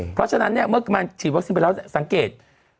เพราะฉะนั้นเนี่ยเมื่อมันฉีดวัคซีนไปแล้วสังเกต